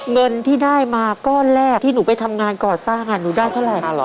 เงินที่ได้มาก้อนแรกที่หนูไปทำงานก่อสร้างหนูได้เท่าไหร่